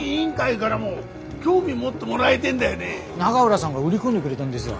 永浦さんが売り込んでくれだんですよ。